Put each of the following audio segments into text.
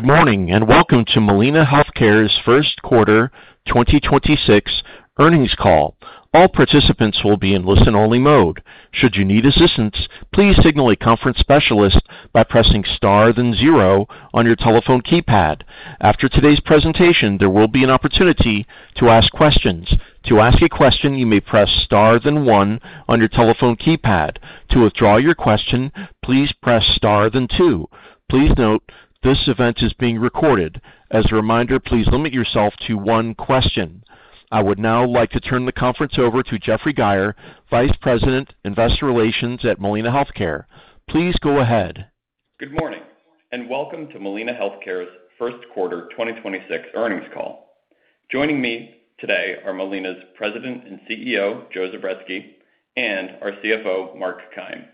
Good morning, and welcome to Molina Healthcare's first quarter 2026 earnings call. All participants will be in listen-only mode. Should you need assistance, please signal a conference specialist by pressing star then zero on your telephone keypad. After today's presentation, there will be an opportunity to ask questions. To ask a question, you may press star then one on your telephone keypad. To withdraw your question, please press star then two. Please note, this event is being recorded. As a reminder, please limit yourself to one question. I would now like to turn the conference over to Jeff Geyer, Vice President, Investor Relations at Molina Healthcare. Please go ahead. Good morning, and welcome to Molina Healthcare's first quarter 2026 earnings call. Joining me today are Molina's President and CEO, Joe Zubretsky, and our CFO, Mark Keim.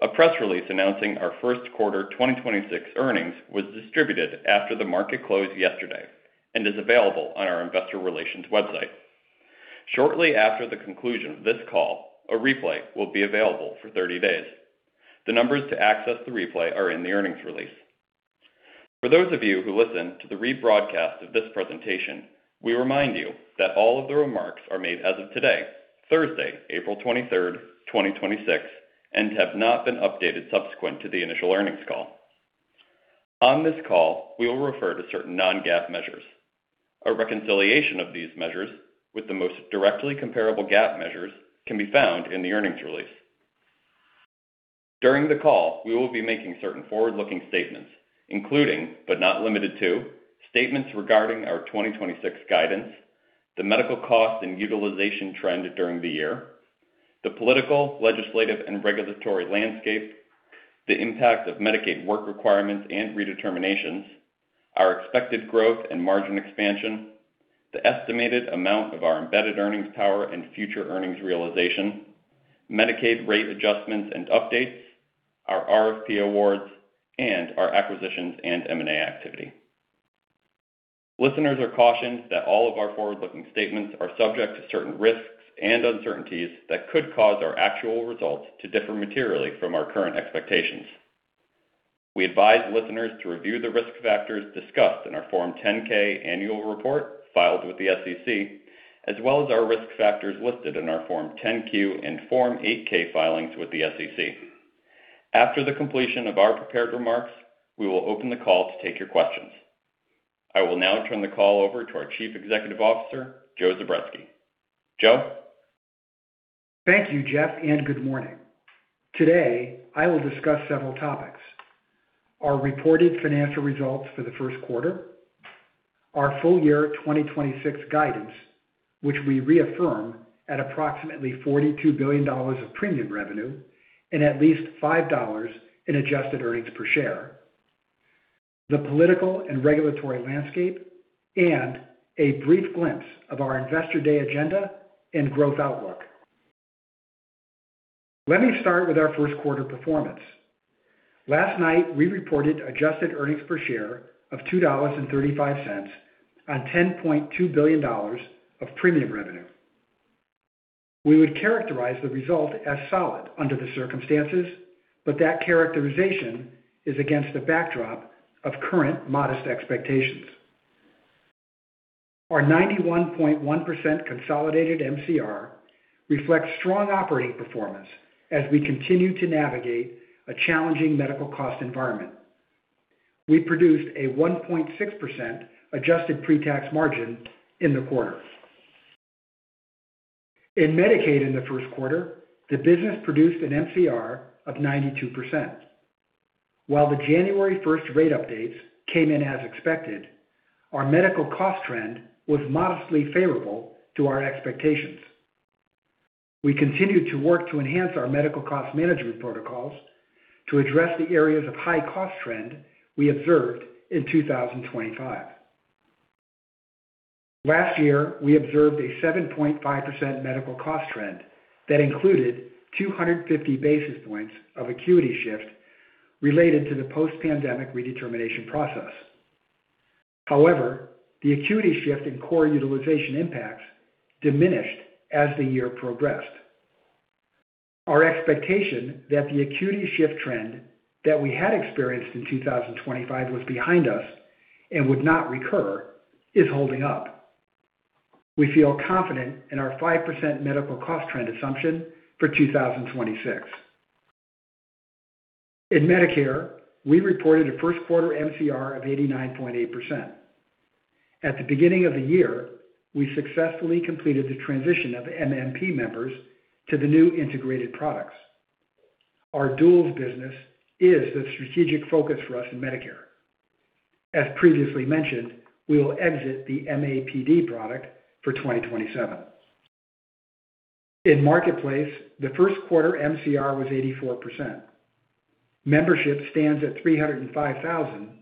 A press release announcing our first quarter 2026 earnings was distributed after the market closed yesterday and is available on our investor relations website. Shortly after the conclusion of this call, a replay will be available for 30 days. The numbers to access the replay are in the earnings release. For those of you who listen to the rebroadcast of this presentation, we remind you that all of the remarks are made as of today, Thursday, April 23rd, 2026, and have not been updated subsequent to the initial earnings call. On this call, we will refer to certain non-GAAP measures. A reconciliation of these measures with the most directly comparable GAAP measures can be found in the earnings release. During the call, we will be making certain forward-looking statements, including, but not limited to, statements regarding our 2026 guidance, the medical cost and utilization trend during the year, the political, legislative, and regulatory landscape, the impact of Medicaid work requirements and redeterminations, our expected growth and margin expansion, the estimated amount of our embedded earnings power and future earnings realization, Medicaid rate adjustments and updates, our RFP awards, and our acquisitions and M&A activity. Listeners are cautioned that all of our forward-looking statements are subject to certain risks and uncertainties that could cause our actual results to differ materially from our current expectations. We advise listeners to review the risk factors discussed in our Form 10-K annual report filed with the SEC, as well as our risk factors listed in our Form 10-Q and Form 8-K filings with the SEC. After the completion of our prepared remarks, we will open the call to take your questions. I will now turn the call over to our Chief Executive Officer, Joe Zubretsky. Joe? Thank you, Jeff, and good morning. Today, I will discuss several topics, our reported financial results for the first quarter, our full year 2026 guidance, which we reaffirm at approximately $42 billion of premium revenue and at least $5 in adjusted earnings per share, the political and regulatory landscape, and a brief glimpse of our Investor Day agenda and growth outlook. Let me start with our first quarter performance. Last night, we reported adjusted earnings per share of $2.35 and $10.2 billion of premium revenue. We would characterize the result as solid under the circumstances, but that characterization is against the backdrop of current modest expectations. Our 91.1% consolidated MCR reflects strong operating performance as we continue to navigate a challenging medical cost environment. We produced a 1.6% adjusted pre-tax margin in the quarter. In Medicaid in the first quarter, the business produced an MCR of 92%. While the January 1st rate updates came in as expected, our medical cost trend was modestly favorable to our expectations. We continued to work to enhance our medical cost management protocols to address the areas of high cost trend we observed in 2025. Last year, we observed a 7.5% medical cost trend that included 250 basis points of acuity shift related to the post-pandemic redetermination process. However, the acuity shift in core utilization impacts diminished as the year progressed. Our expectation that the acuity shift trend that we had experienced in 2025 was behind us and would not recur is holding up. We feel confident in our 5% medical cost trend assumption for 2026. In Medicare, we reported a first quarter MCR of 89.8%. At the beginning of the year, we successfully completed the transition of MMP members to the new integrated products. Our dual business is the strategic focus for us in Medicare. As previously mentioned, we will exit the MAPD product for 2027. In Marketplace, the first quarter MCR was 84%. Membership stands at 305,000 and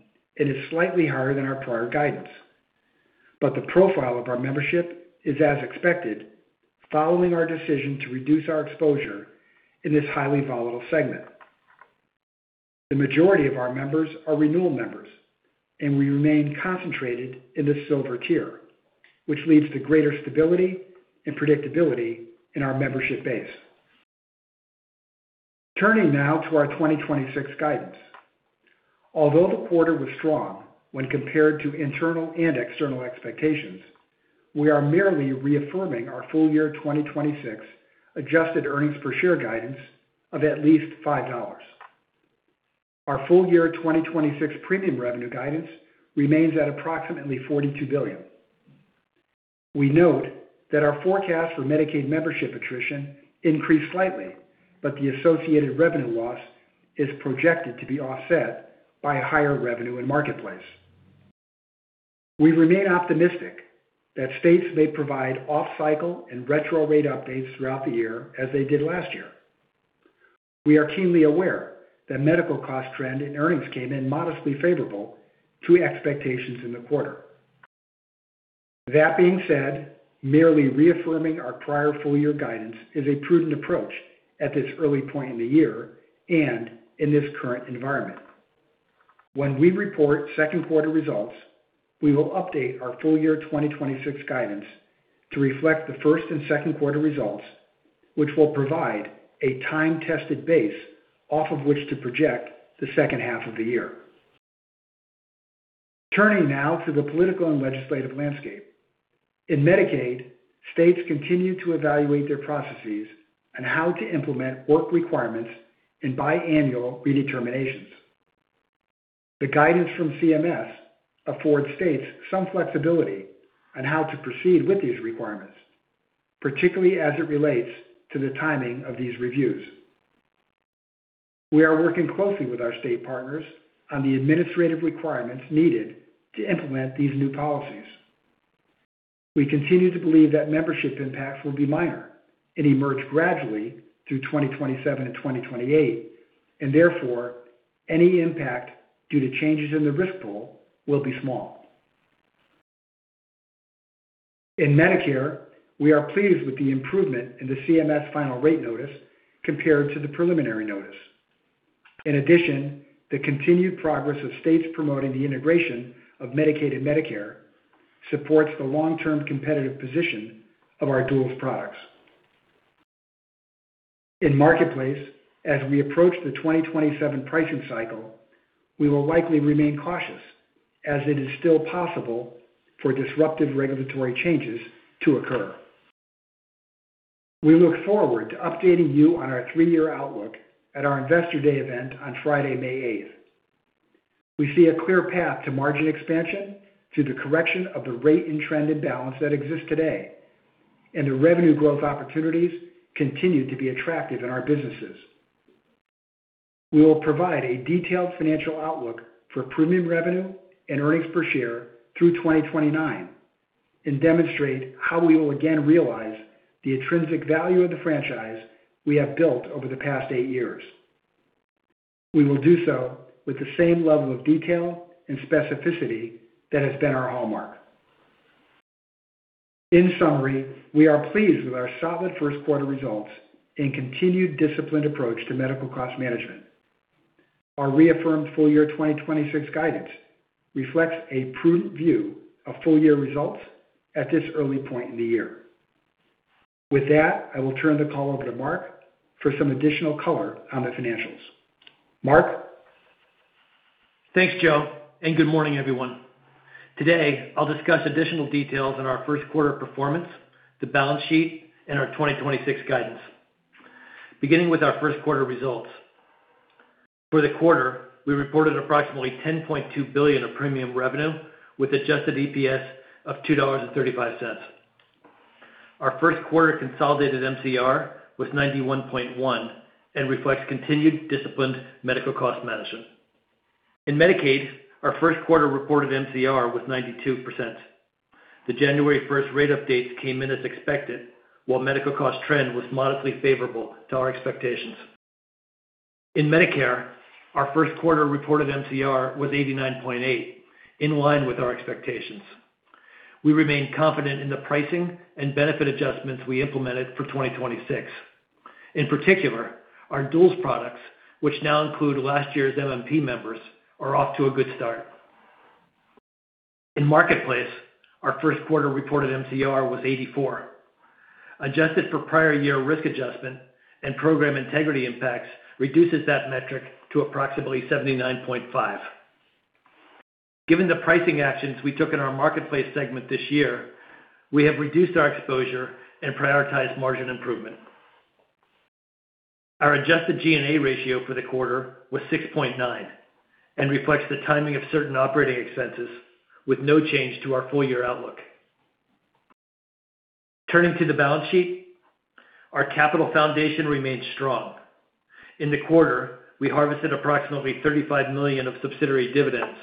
is slightly higher than our prior guidance. The profile of our membership is as expected following our decision to reduce our exposure in this highly volatile segment. The majority of our members are renewal members, and we remain concentrated in the silver tier, which leads to greater stability and predictability in our membership base. Turning now to our 2026 guidance. Although the quarter was strong when compared to internal and external expectations, we are merely reaffirming our full year 2026 adjusted earnings per share guidance of at least $5. Our full year 2026 premium revenue guidance remains at approximately $42 billion. We note that our forecast for Medicaid membership attrition increased slightly, but the associated revenue loss is projected to be offset by a higher revenue in Marketplace. We remain optimistic that states may provide off-cycle and retro rate updates throughout the year as they did last year. We are keenly aware that medical cost trend and earnings came in modestly favorable to expectations in the quarter. That being said, merely reaffirming our prior full year guidance is a prudent approach at this early point in the year and in this current environment. When we report second quarter results, we will update our full year 2026 guidance to reflect the first and second quarter results, which will provide a time-tested base off of which to project the second half of the year. Turning now to the political and legislative landscape. In Medicaid, states continue to evaluate their processes on how to implement work requirements in biannual redeterminations. The guidance from CMS affords states some flexibility on how to proceed with these requirements, particularly as it relates to the timing of these reviews. We are working closely with our state partners on the administrative requirements needed to implement these new policies. We continue to believe that membership impacts will be minor and emerge gradually through 2027 and 2028, and therefore, any impact due to changes in the risk pool will be small. In Medicare, we are pleased with the improvement in the CMS final rate notice compared to the preliminary notice. In addition, the continued progress of states promoting the integration of Medicaid and Medicare supports the long-term competitive position of our dual products. In Marketplace, as we approach the 2027 pricing cycle, we will likely remain cautious as it is still possible for disruptive regulatory changes to occur. We look forward to updating you on our three-year outlook at our Investor Day event on Friday, May 8th. We see a clear path to margin expansion through the correction of the rate and trend imbalance that exists today, and the revenue growth opportunities continue to be attractive in our businesses. We will provide a detailed financial outlook for premium revenue and earnings per share through 2029 and demonstrate how we will again realize the intrinsic value of the franchise we have built over the past eight years. We will do so with the same level of detail and specificity that has been our hallmark. In summary, we are pleased with our solid first quarter results and continued disciplined approach to medical cost management. Our reaffirmed full year 2026 guidance reflects a prudent view of full-year results at this early point in the year. With that, I will turn the call over to Mark for some additional color on the financials. Mark? Thanks, Joe, and good morning, everyone. Today, I'll discuss additional details on our first quarter performance, the balance sheet, and our 2026 guidance. Beginning with our first quarter results. For the quarter, we reported approximately $10.2 billion of premium revenue with adjusted EPS of $2.35. Our first quarter consolidated MCR was 91.1% and reflects continued disciplined medical cost management. In Medicaid, our first quarter reported MCR was 92%. The January 1st rate updates came in as expected, while medical cost trend was modestly favorable to our expectations. In Medicare, our first quarter reported MCR was 89.8%, in line with our expectations. We remain confident in the pricing and benefit adjustments we implemented for 2026. In particular, our duals products, which now include last year's MMP members, are off to a good start. In Marketplace, our first quarter reported MCR was 84%. Adjusted for prior year risk adjustment and program integrity impacts reduces that metric to approximately 79.5%. Given the pricing actions we took in our Marketplace segment this year, we have reduced our exposure and prioritized margin improvement. Our adjusted G&A ratio for the quarter was 6.9% and reflects the timing of certain operating expenses with no change to our full-year outlook. Turning to the balance sheet, our capital foundation remains strong. In the quarter, we harvested approximately $35 million of subsidiary dividends,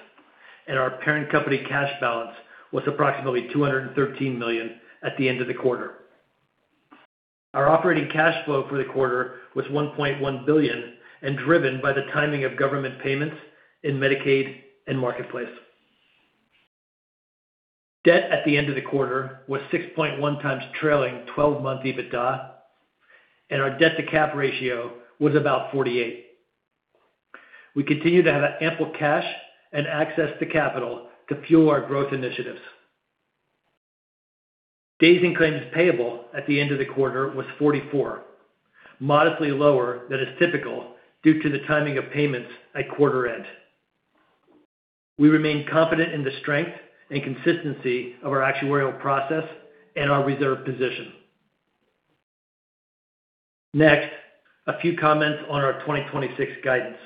and our parent company cash balance was approximately $213 million at the end of the quarter. Our operating cash flow for the quarter was $1.1 billion and driven by the timing of government payments in Medicaid and Marketplace. Debt at the end of the quarter was 6.1x trailing 12-month EBITDA, and our debt-to-cap ratio was about 48%. We continue to have ample cash and access to capital to fuel our growth initiatives. Days in claims payable at the end of the quarter was 44, modestly lower than is typical due to the timing of payments at quarter end. We remain confident in the strength and consistency of our actuarial process and our reserve position. Next, a few comments on our 2026 guidance.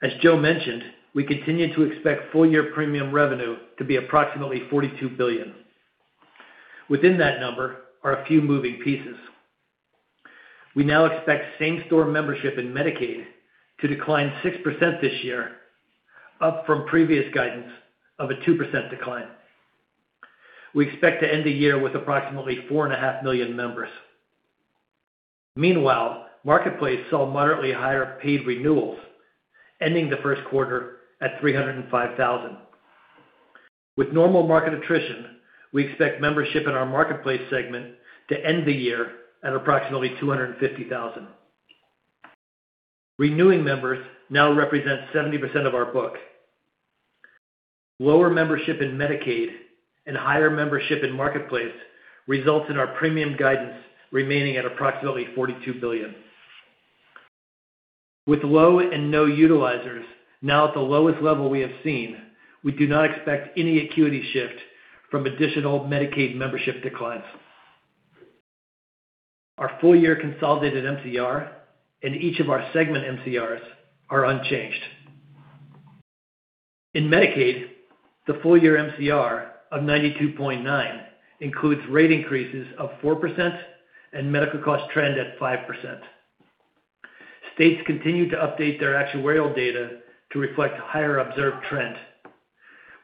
As Joe mentioned, we continue to expect full year premium revenue to be approximately $42 billion. Within that number are a few moving pieces. We now expect same-store membership in Medicaid to decline 6% this year, up from previous guidance of a 2% decline. We expect to end the year with approximately 4.5 million members. Meanwhile, Marketplace saw moderately higher paid renewals, ending the first quarter at 305,000. With normal market attrition, we expect membership in our Marketplace segment to end the year at approximately 250,000. Renewing members now represent 70% of our book. Lower membership in Medicaid and higher membership in Marketplace results in our premium guidance remaining at approximately $42 billion. With low and no utilizers now at the lowest level we have seen, we do not expect any acuity shift from additional Medicaid membership declines. Our full year consolidated MCR and each of our segment MCRs are unchanged. In Medicaid, the full year MCR of 92.9% includes rate increases of 4% and medical cost trend at 5%. States continue to update their actuarial data to reflect higher observed trend.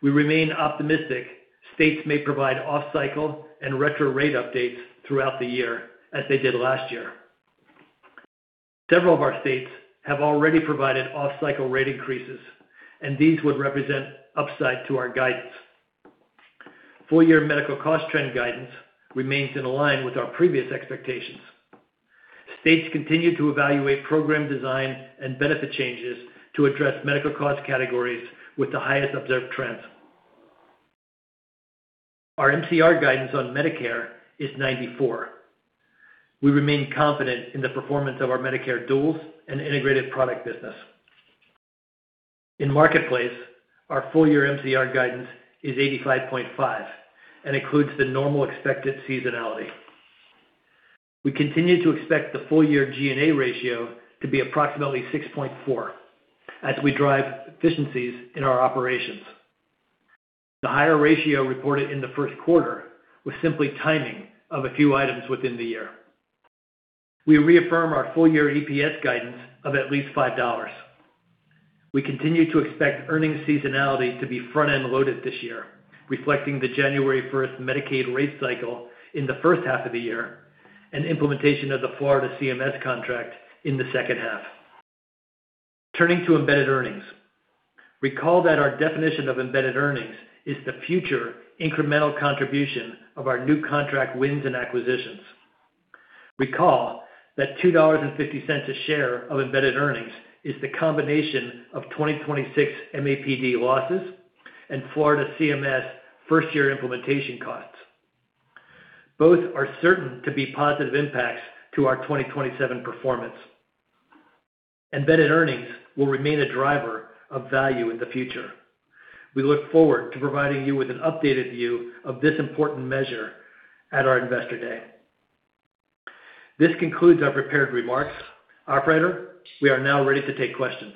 We remain optimistic. States may provide off-cycle and retro rate updates throughout the year as they did last year. Several of our states have already provided off-cycle rate increases, and these would represent upside to our guidance. Full year medical cost trend guidance remains in line with our previous expectations. States continue to evaluate program design and benefit changes to address medical cost categories with the highest observed trends. Our MCR guidance on Medicare is 94%. We remain confident in the performance of our Medicare duals and integrated product business. In Marketplace, our full year MCR guidance is 85.5% and includes the normal expected seasonality. We continue to expect the full year G&A ratio to be approximately 6.4% as we drive efficiencies in our operations. The higher ratio reported in the first quarter was simply timing of a few items within the year. We reaffirm our full year EPS guidance of at least $5. We continue to expect earnings seasonality to be front-end loaded this year, reflecting the January 1st Medicaid rate cycle in the first half of the year and implementation of the Florida CMS contract in the second half. Turning to embedded earnings. Recall that our definition of embedded earnings is the future incremental contribution of our new contract wins and acquisitions. Recall that $2.50 a share of embedded earnings is the combination of 2026 MAPD losses and Florida CMS first-year implementation costs. Both are certain to be positive impacts to our 2027 performance. Embedded earnings will remain a driver of value in the future. We look forward to providing you with an updated view of this important measure at our Investor Day. This concludes our prepared remarks. Operator, we are now ready to take questions.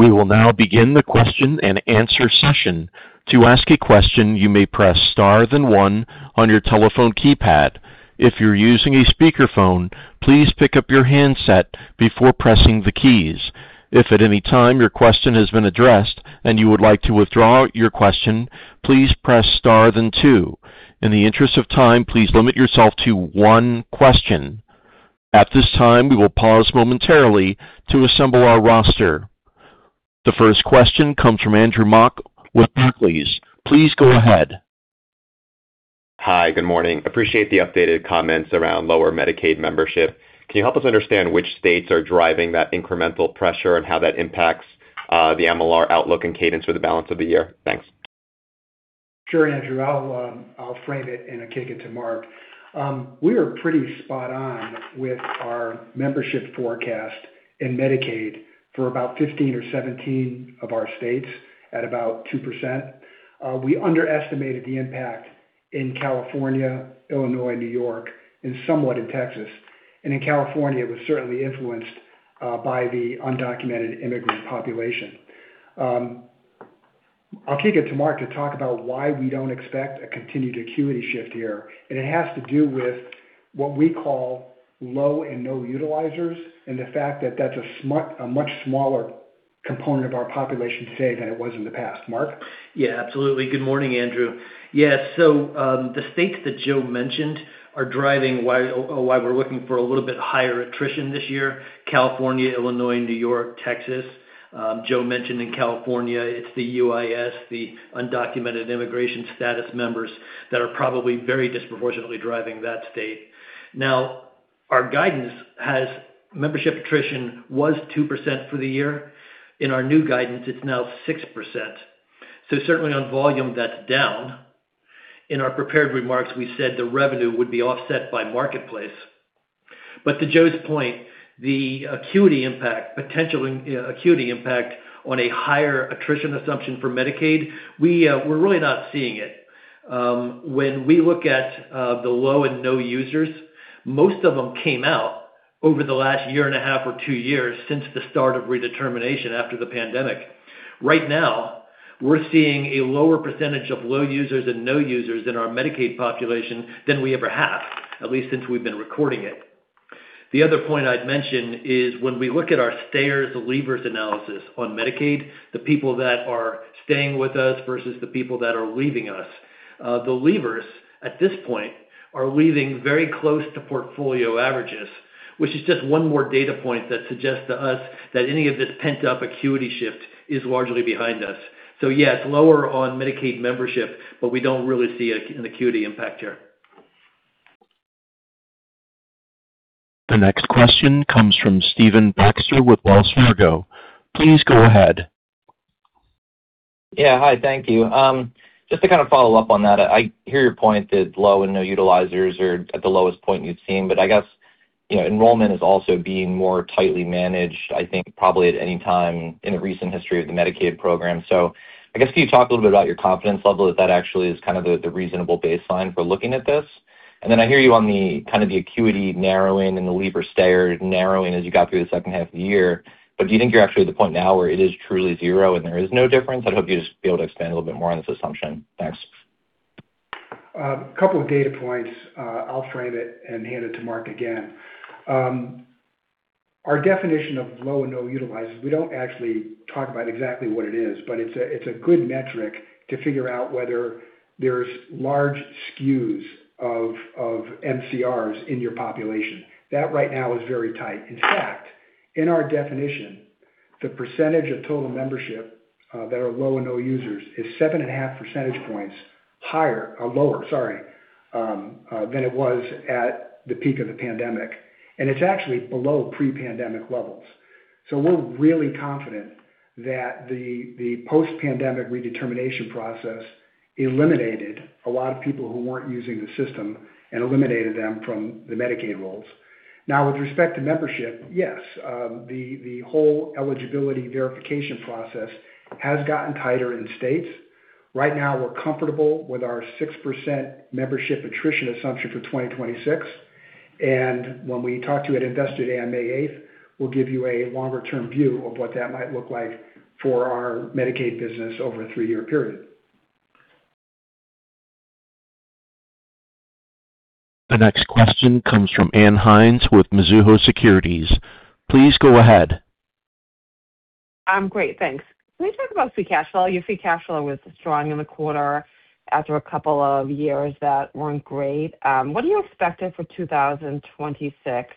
We will now begin the question-and-answer session. To ask a question, you may press star then one on your telephone keypad. If you're using a speakerphone, please pick up your handset before pressing the keys. If at any time your question has been addressed and you would like to withdraw your question, please press star then two. In the interest of time, please limit yourself to one question. At this time, we will pause momentarily to assemble our roster. The first question comes from Andrew Mok with Barclays. Please go ahead. Hi. Good morning. Appreciate the updated comments around lower Medicaid membership. Can you help us understand which states are driving that incremental pressure and how that impacts the MLR outlook and cadence for the balance of the year? Thanks. Sure, Andrew. I'll frame it and I'll kick it to Mark. We are pretty spot on with our membership forecast in Medicaid for about 15 or 17 of our states at about 2%. We underestimated the impact in California, Illinois, New York, and somewhat in Texas. In California, it was certainly influenced by the undocumented immigrant population. I'll kick it to Mark to talk about why we don't expect a continued acuity shift here. It has to do with what we call low and no utilizers, and the fact that that's a much smaller component of our population today than it was in the past. Mark? Yeah, absolutely. Good morning, Andrew. Yes. The states that Joe mentioned are driving why we're looking for a little bit higher attrition this year, California, Illinois, New York, Texas. Joe mentioned in California, it's the UIS, the undocumented immigration status members that are probably very disproportionately driving that state. Now, our guidance has membership attrition was 2% for the year. In our new guidance, it's now 6%. Certainly on volume, that's down. In our prepared remarks, we said the revenue would be offset by Marketplace. Bu to Joe's point, the acuity impact, potential acuity impact on a higher attrition assumption for Medicaid, we're really not seeing it. When we look at the low and no users, most of them came out over the last year and a half or two years since the start of redetermination after the pandemic. Right now, we're seeing a lower percentage of low users and no users in our Medicaid population than we ever have, at least since we've been recording it. The other point I'd mention is when we look at our stayers and leavers analysis on Medicaid, the people that are staying with us versus the people that are leaving us. The leavers, at this point, are leaving very close to portfolio averages, which is just one more data point that suggests to us that any of this pent-up acuity shift is largely behind us. Yes, lower on Medicaid membership, but we don't really see an acuity impact here. The next question comes from Stephen Baxter with Wells Fargo. Please go ahead. Yeah. Hi, thank you. Just to kind of follow up on that, I hear your point that low and no utilizers are at the lowest point you've seen, but I guess enrollment is also being more tightly managed, I think probably at any time in the recent history of the Medicaid program. I guess, can you talk a little bit about your confidence level that that actually is kind of the reasonable baseline for looking at this? Then I hear you on the kind of the acuity narrowing and the leaver-stayer narrowing as you got through the second half of the year, but do you think you're actually at the point now where it is truly zero and there is no difference? I'd hope you'd just be able to expand a little bit more on this assumption. Thanks. A couple of data points. I'll frame it and hand it to Mark again. Our definition of low and no utilizers, we don't actually talk about exactly what it is, but it's a good metric to figure out whether there's large skews of MCRs in your population. That right now is very tight. In fact, in our definition, the percentage of total membership that are low and no users is 7.5 percentage points higher, or lower, sorry, than it was at the peak of the pandemic, and it's actually below pre-pandemic levels. We're really confident that the post-pandemic redetermination process eliminated a lot of people who weren't using the system and eliminated them from the Medicaid rolls. Now, with respect to membership, yes, the whole eligibility verification process has gotten tighter in states. Right now, we're comfortable with our 6% membership attrition assumption for 2026. When we talk to you at Investor Day on May 8th, we'll give you a longer-term view of what that might look like for our Medicaid business over a three-year period. The next question comes from Ann Hynes with Mizuho Securities. Please go ahead. Great, thanks. Can we talk about free cash flow? Your free cash flow was strong in the quarter after a couple of years that weren't great. What are you expecting for 2026?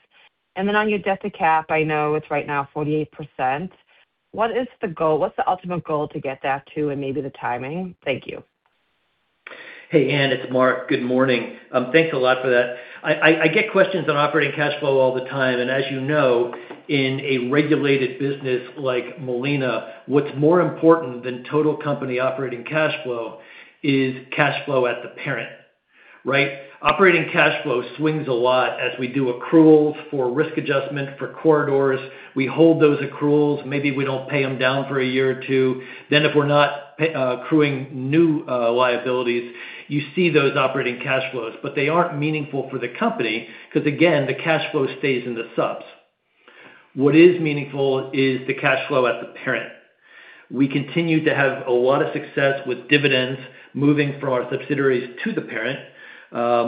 Then on your debt-to-cap, I know it's right now 48%. What is the goal? What's the ultimate goal to get that to, and maybe the timing? Thank you. Hey, Ann, it's Mark. Good morning. Thanks a lot for that. I get questions on operating cash flow all the time, and as you know, in a regulated business like Molina, what's more important than total company operating cash flow is cash flow at the parent, right? Operating cash flow swings a lot as we do accruals for risk adjustment for corridors. We hold those accruals. Maybe we don't pay them down for a year or two. Then if we're not accruing new liabilities, you see those operating cash flows, but they aren't meaningful for the company because, again, the cash flow stays in the subs. What is meaningful is the cash flow at the parent? We continue to have a lot of success with dividends moving from our subsidiaries to the parent.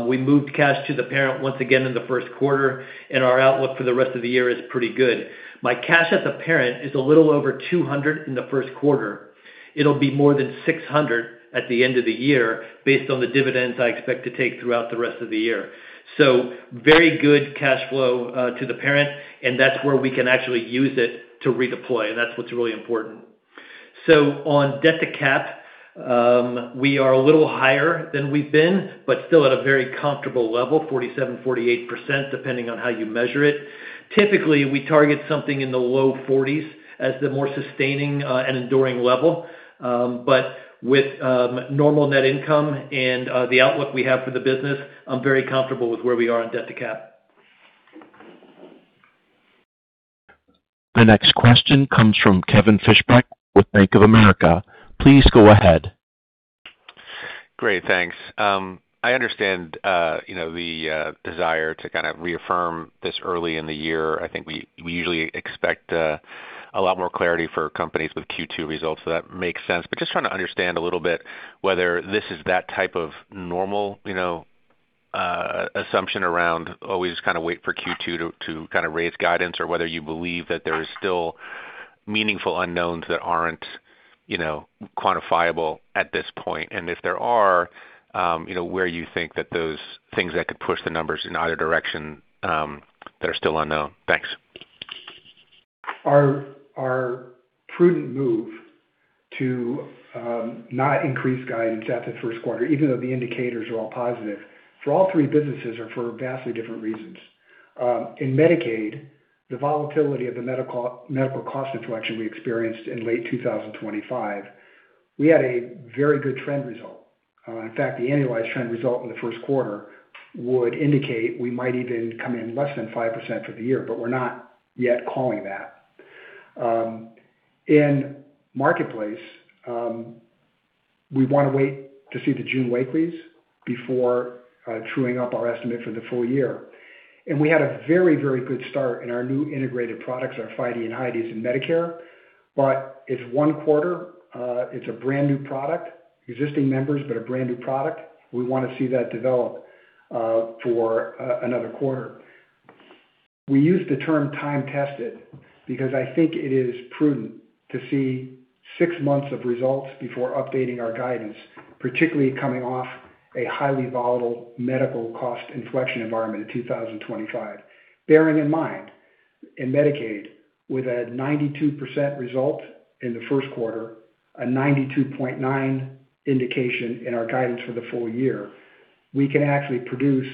We moved cash to the parent once again in the first quarter, and our outlook for the rest of the year is pretty good. By cash at the parent is a little over $200 million in the first quarter. It'll be more than $600 million at the end of the year based on the dividends I expect to take throughout the rest of the year. Very good cash flow to the parent, and that's where we can actually use it to redeploy, and that's what's really important. On debt-to-cap, we are a little higher than we've been, but still at a very comfortable level, 47%, 48%, depending on how you measure it. Typically, we target something in the low 40s as the more sustaining and enduring level. With normal net income and the outlook we have for the business, I'm very comfortable with where we are on debt-to-cap. The next question comes from Kevin Fischbeck with Bank of America. Please go ahead. Great, thanks. I understand the desire to kind of reaffirm this early in the year. I think we usually expect a lot more clarity for companies with Q2 results, so that makes sense. But just trying to understand a little bit whether this is that type of normal assumption around always kind of wait for Q2 to kind of raise guidance or whether you believe that there is still meaningful unknowns that aren't quantifiable at this point. If there are where you think that those things that could push the numbers in either direction that are still unknown. Thanks. Our prudent move to not increase guidance after the first quarter, even though the indicators are all positive for all three businesses, are for vastly different reasons. In Medicaid, the volatility of the medical cost inflection we experienced in late 2025, we had a very good trend result. In fact, the annualized trend result in the first quarter would indicate we might even come in less than 5% for the year, but we're not yet calling that. In Marketplace, we want to wait to see the June weeklies before truing up our estimate for the full year. We had a very good start in our new integrated products, our FIDEs and HIDEs in Medicare. It's one quarter, it's a brand-new product, existing members, but a brand-new product. We want to see that develop for another quarter. We use the term time-tested because I think it is prudent to see six months of results before updating our guidance, particularly coming off a highly volatile medical cost inflection environment in 2025. Bearing in mind, in Medicaid, with a 92% result in the first quarter, a 92.9% indication in our guidance for the full year, we can actually produce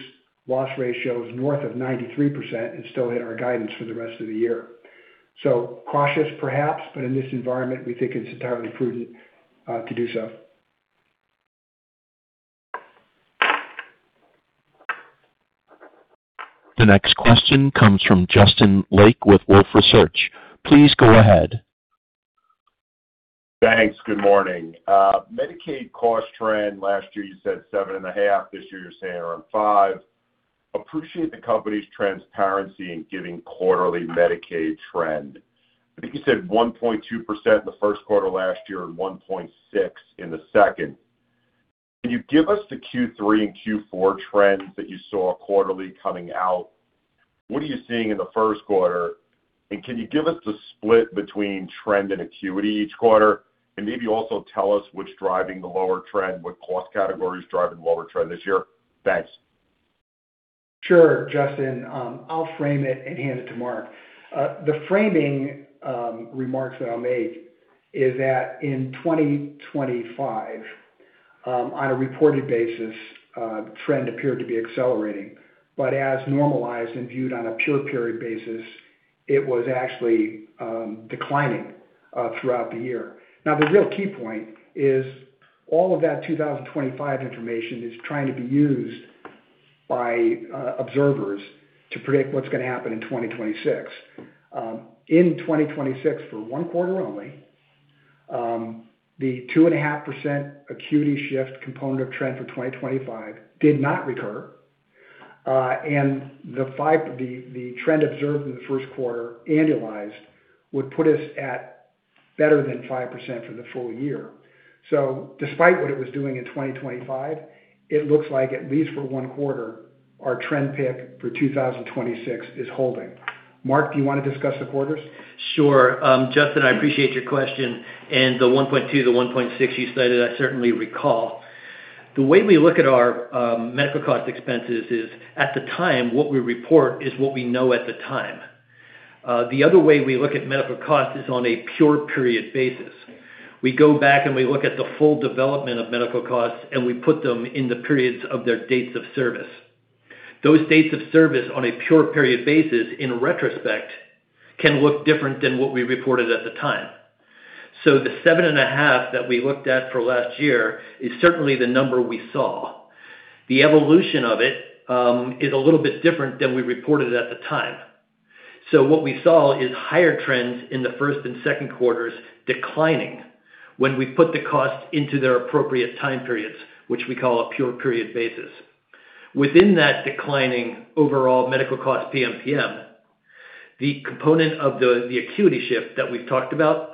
loss ratios north of 93% and still hit our guidance for the rest of the year. Cautious perhaps, but in this environment, we think it's entirely prudent to do so. The next question comes from Justin Lake with Wolfe Research. Please go ahead. Thanks. Good morning. Medicaid cost trend last year you said 7.5%. This year you're saying around 5%. Appreciate the company's transparency in giving quarterly Medicaid trend. I think you said 1.2% in the first quarter last year and 1.6% in the second. Can you give us the Q3 and Q4 trends that you saw quarterly coming out? What are you seeing in the first quarter, and can you give us the split between trend and acuity each quarter, and maybe also tell us what's driving the lower trend, what cost category is driving lower trend this year? Thanks. Sure, Justin. I'll frame it and hand it to Mark. The framing remarks that I'll make is that in 2025, on a reported basis, trend appeared to be accelerating, but as normalized and viewed on a pure period basis, it was actually declining throughout the year. Now, the real key point is all of that 2025 information is trying to be used by observers to predict what's going to happen in 2026. In 2026, for one quarter only, the 2.5% acuity shift component of trend for 2025 did not recur. The trend observed in the first quarter annualized would put us at better than 5% for the full year. Despite what it was doing in 2025, it looks like at least for one quarter, our trend pick for 2026 is holding. Mark, do you want to discuss the quarters? Sure. Justin, I appreciate your question, and the 1.2–1.6 you cited, I certainly recall. The way we look at our medical cost expenses is, at the time, what we report is what we know at the time. The other way we look at medical cost is on a pure period basis. We go back and we look at the full development of medical costs, and we put them in the periods of their dates of service. Those dates of service on a pure period basis, in retrospect, can look different than what we reported at the time. The 7.5% that we looked at for last year is certainly the number we saw. The evolution of it is a little bit different than we reported at the time. What we saw is higher trends in the first and second quarters declining when we put the costs into their appropriate time periods, which we call a pure period basis. Within that declining overall medical cost PMPM, the component of the acuity shift that we've talked about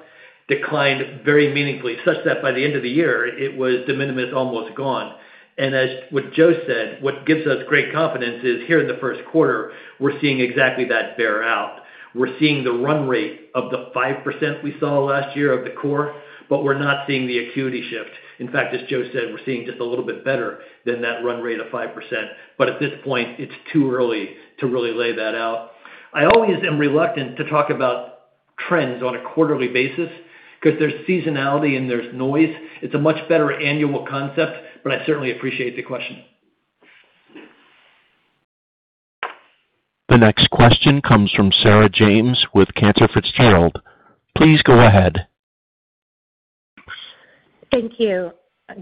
declined very meaningfully, such that by the end of the year, de minimis, almost gone. And as what Joe said, what gives us great confidence is here in the first quarter, we're seeing exactly that bear out. We're seeing the run rate of the 5% we saw last year of the core, but we're not seeing the acuity shift. In fact, as Joe said, we're seeing just a little bit better than that run rate of 5%, but at this point, it's too early to really lay that out. I always am reluctant to talk about trends on a quarterly basis because there's seasonality and there's noise. It's a much better annual concept, but I certainly appreciate the question. The next question comes from Sarah James with Cantor Fitzgerald. Please go ahead. Thank you.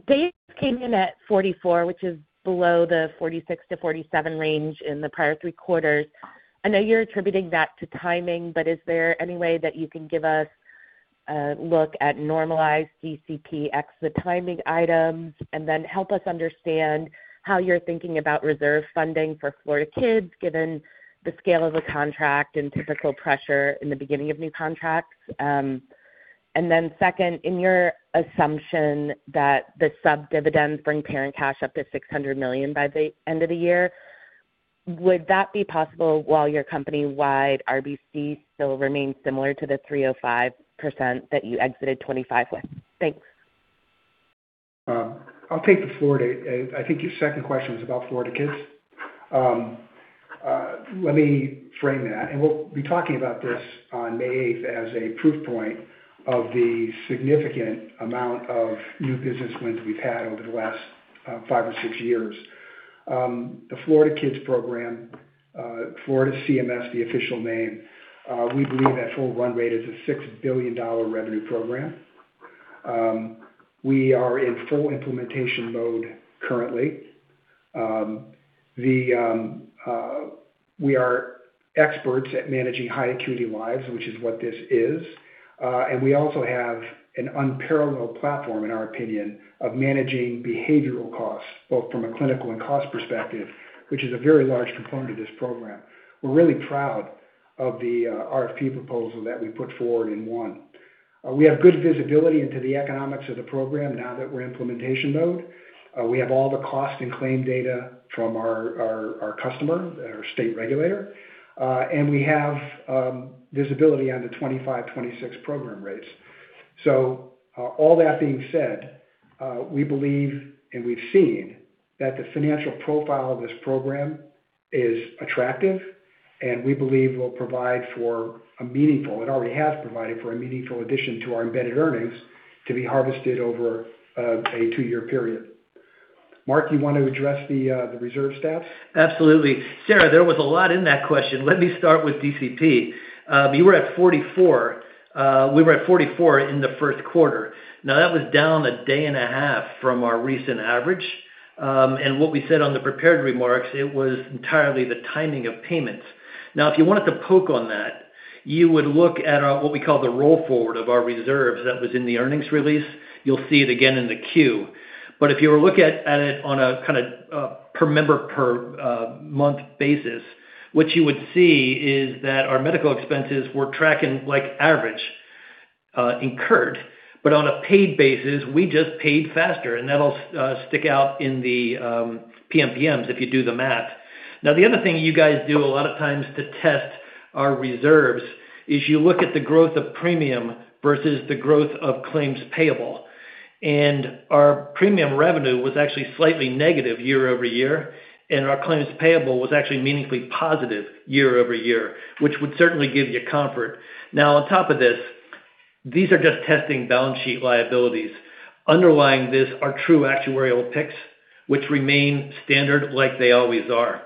Days came in at 44, which is below the 46–47 range in the prior three quarters. I know you're attributing that to timing, but is there any way that you can give us a look at normalized DCP x the timing items? Help us understand how you're thinking about reserve funding for Florida Kid given the scale of the contract and typical pressure in the beginning of new contracts. Second, in your assumption that the sub-dividends bring parent cash up to $600 million by the end of the year, would that be possible while your company-wide RBC still remains similar to the 305% that you exited 2025 with? Thanks. I'll take the Florida. I think your second question was about Florida Kid. Let me frame that, and we'll be talking about this on May 8th as a proof point of the significant amount of new business wins we've had over the last five or six years. The Florida Kid program, Florida CMS, the official name, we believe at full run rate is a $6 billion revenue program. We are in full implementation mode currently. We are experts at managing high acuity lives, which is what this is. We also have an unparalleled platform, in our opinion, of managing behavioral costs, both from a clinical and cost perspective, which is a very large component of this program. We're really proud of the RFP proposal that we put forward and won. We have good visibility into the economics of the program now that we're in implementation mode. We have all the cost and claim data from our customer, our state regulator, and we have visibility on the 2025, 2026 program rates. All that being said, we believe, and we've seen, that the financial profile of this program is attractive and we believe will provide for a meaningful, it already has provided for a meaningful addition to our embedded earnings to be harvested over a two-year period. Mark, you want to address the reserve stats? Absolutely. Sarah, there was a lot in that question. Let me start with DCP. You were at 44. We were at 44 in the first quarter. Now, that was down a day and a half from our recent average. What we said on the prepared remarks, it was entirely the timing of payments. Now, if you wanted to poke on that, you would look at our, what we call the roll forward of our reserves that was in the earnings release. You'll see it again in the Q. If you were look at it on a kind of per member per month basis, what you would see is that our medical expenses were tracking like average incurred. But on a paid basis, we just paid faster, and that'll stick out in the PMPMs if you do the math. Now, the other thing you guys do a lot of times to test our reserves is you look at the growth of premium versus the growth of claims payable. Our premium revenue was actually slightly negative year-over-year, and our claims payable was actually meaningfully positive year-over-year, which would certainly give you comfort. Now, on top of this, these are just testing balance sheet liabilities. Underlying this are true actuarial picks, which remain standard like they always are.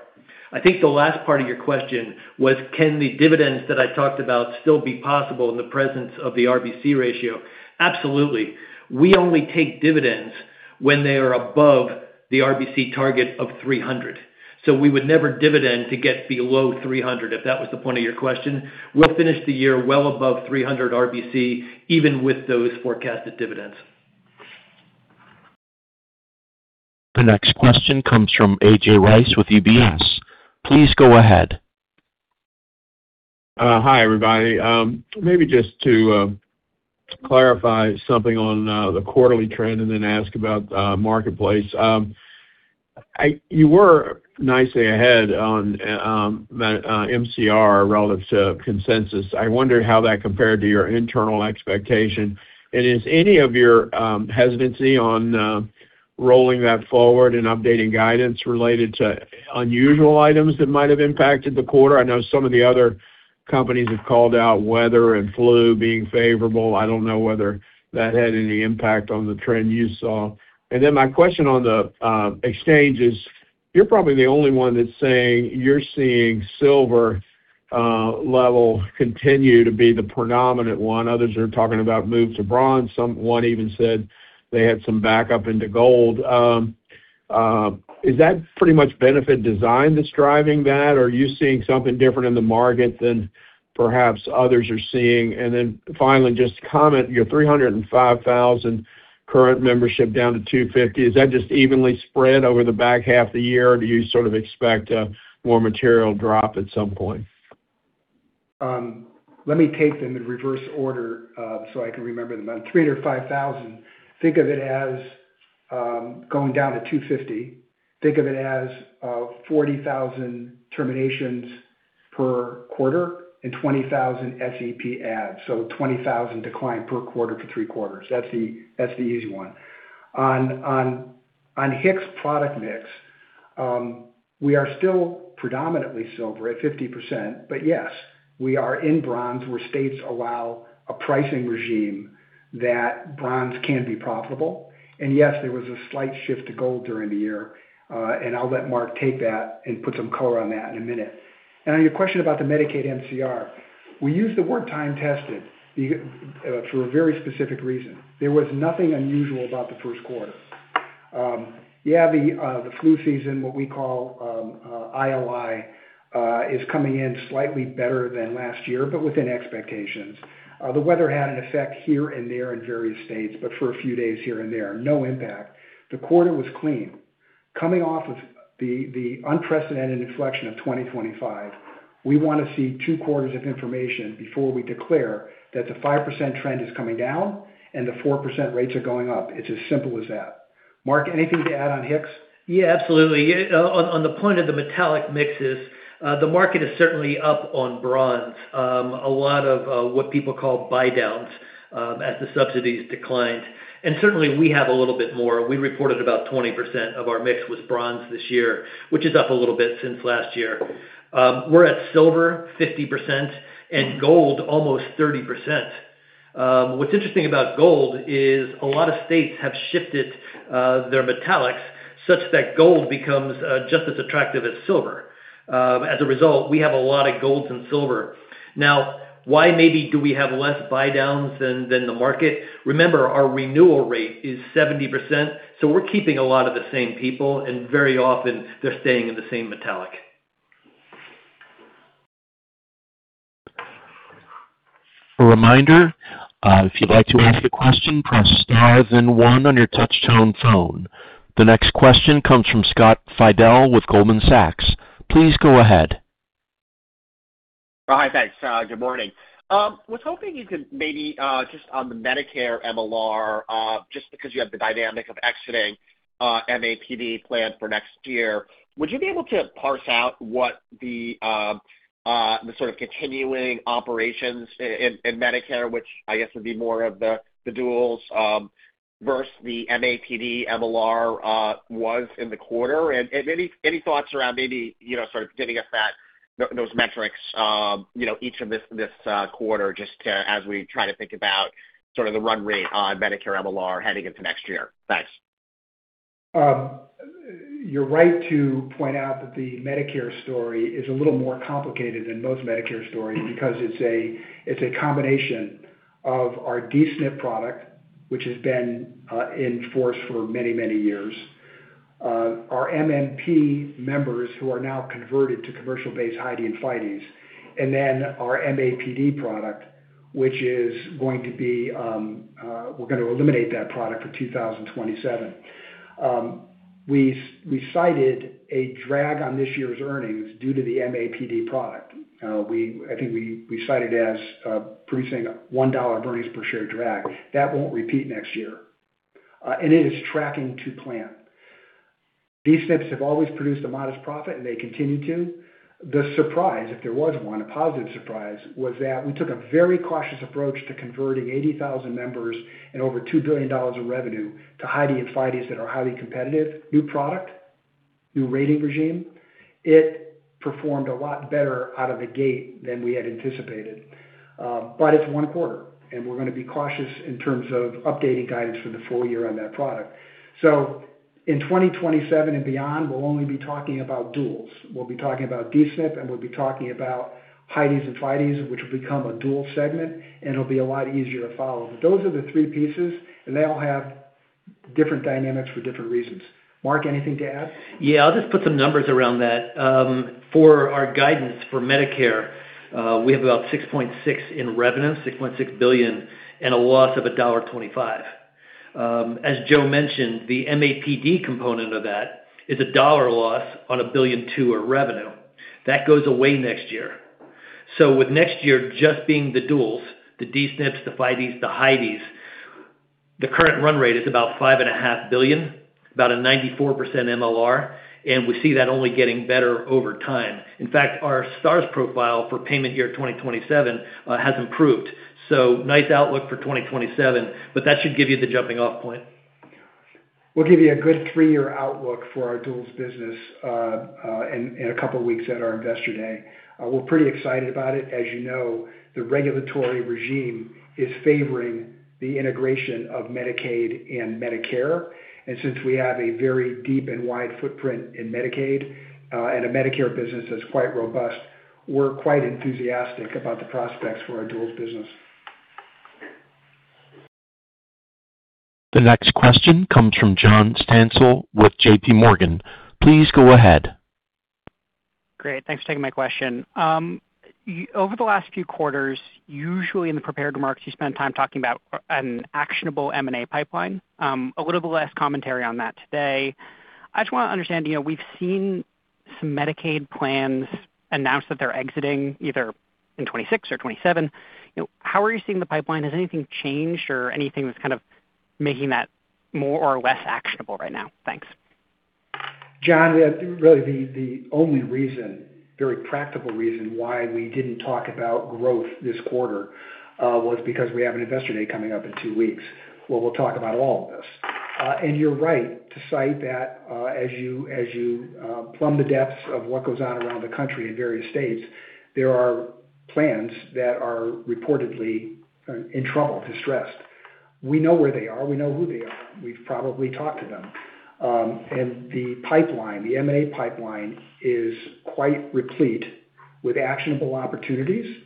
I think the last part of your question was, can the dividends that I talked about still be possible in the presence of the RBC ratio? Absolutely. We only take dividends when they are above the RBC target of 300. We would never dividend to get below 300, if that was the point of your question. We'll finish the year well above 300 RBC, even with those forecasted dividends. The next question comes from A.J. Rice with UBS. Please go ahead. Hi, everybody. Maybe just to clarify something on the quarterly trend and then ask about Marketplace. You were nicely ahead on MCR relative to consensus. I wonder how that compared to your internal expectation. Is any of your hesitancy on rolling that forward and updating guidance related to unusual items that might have impacted the quarter? I know some of the other companies have called out weather and flu being favorable. I don't know whether that had any impact on the trend you saw. My question on the exchange is, you're probably the only one that's saying you're seeing silver level continue to be the predominant one. Others are talking about move to bronze. One even said they had some backup into gold. Is that pretty much benefit design that's driving that, or are you seeing something different in the market than perhaps others are seeing? Finally, just comment, your 305,000 current membership down to 250. Is that just evenly spread over the back half of the year, or do you sort of expect a more material drop at some point? Let me take them in reverse order, so I can remember them. On 305,000, think of it as going down to 250. Think of it as 40,000 terminations per quarter and 20,000 SEP adds. 20,000 decline per quarter for three quarters. That's the easy one. On HIX product mix, we are still predominantly Silver at 50%, but yes, we are in Bronze where states allow a pricing regime that Bronze can be profitable. Yes, there was a slight shift to Gold during the year. I'll let Mark take that and put some color on that in a minute. On your question about the Medicaid MCR, we use the word time-tested for a very specific reason. There was nothing unusual about the first quarter. Yeah, the flu season, what we call ILI, is coming in slightly better than last year, but within expectations. The weather had an effect here and there in various states, but for a few days here and there. No impact. The quarter was clean. Coming off of the unprecedented inflection of 2025, we want to see two quarters of information before we declare that the 5% trend is coming down and the 4% rates are going up. It's as simple as that. Mark, anything to add on HIX? Yeah, absolutely. On the point of the metallic mixes, the market is certainly up on Bronze. A lot of what people call buy-downs. As the subsidies declined, and certainly we have a little bit more. We reported about 20% of our mix was Bronze this year, which is up a little bit since last year. We're at Silver 50% and Gold almost 30%. What's interesting about Gold is a lot of states have shifted their metallic such that Gold becomes just as attractive as Silver. As a result, we have a lot of Gold and Silver. Now, why maybe do we have less buy-downs than the market? Remember, our renewal rate is 70%, so we're keeping a lot of the same people, and very often they're staying in the same metallic. A reminder, if you'd like to ask a question, press star, then one on your touchtone phone. The next question comes from Scott Fidel with Goldman Sachs. Please go ahead. Hi, thanks. Good morning. I was hoping you could maybe just on the Medicare MLR, just because you have the dynamic of exiting MAPD plan for next year, would you be able to parse out what the sort of continuing operations in Medicare, which I guess would be more of the duals versus the MAPD MLR was in the quarter? Any thoughts around maybe sort of giving us those metrics, each of this quarter just as we try to think about sort of the run rate on Medicare MLR heading into next year? Thanks. You're right to point out that the Medicare story is a little more complicated than most Medicare stories because it's a combination of our D-SNP product, which has been in force for many, many years. Our MMP members who are now converted to commercial base, HIDEs and FIDEs, and then our MAPD product, which is going to be, we're going to eliminate that product for 2027. We cited a drag on this year's earnings due to the MAPD product. I think we cited as producing $1 earnings per share drag. That won't repeat next year. It is tracking to plan. D-SNPs have always produced a modest profit, and they continue to. The surprise, if there was one, a positive surprise, was that we took a very cautious approach to converting 80,000 members and over $2 billion of revenue to HIDEs and FIDEs that are highly competitive, new product, new rating regime. It performed a lot better out of the gate than we had anticipated. It's one quarter, and we're going to be cautious in terms of updating guidance for the full year on that product. In 2027 and beyond, we'll only be talking about duals. We'll be talking about D-SNP, and we'll be talking about HIDEs and FIDEs, which will become a dual segment, and it'll be a lot easier to follow. Those are the three pieces, and they all have different dynamics for different reasons. Mark, anything to add? Yeah, I'll just put some numbers around that. For our guidance for Medicare, we have about $6.6 billion in revenue and a loss of $1.25. As Joe mentioned, the MAPD component of that is a dollar loss on $1.2 billion of revenue. That goes away next year. With next year just being the duals, the D-SNPs, the FIDEs, the HIDEs. The current run rate is about $5.5 billion, about a 94% MLR, and we see that only getting better over time. In fact, our stars profile for payment year 2027 has improved. Nice outlook for 2027, but that should give you the jumping off point. We'll give you a good three-year outlook for our duals business in a couple of weeks at our Investor Day. We're pretty excited about it. As you know, the regulatory regime is favoring the integration of Medicaid and Medicare. Since we have a very deep and wide footprint in Medicaid, and a Medicare business that's quite robust, we're quite enthusiastic about the prospects for our dual business. The next question comes from John Stansel with JPMorgan. Please go ahead. Great. Thanks for taking my question. Over the last few quarters, usually in the prepared remarks, you spend time talking about an actionable M&A pipeline. A little less commentary on that today. I just want to understand, we've seen some Medicaid plans announce that they're exiting either in 2026 or 2027. How are you seeing the pipeline? Has anything changed or anything that's kind of making that more or less actionable right now? Thanks. John, really the only reason, very practical reason why we didn't talk about growth this quarter, was because we have an Investor Day coming up in two weeks where we'll talk about all of this. You're right to cite that as you plumb the depths of what goes on around the country in various states. There are plans that are reportedly in trouble, distressed. We know where they are, we know who they are. We've probably talked to them. The M&A pipeline is quite replete with actionable opportunities.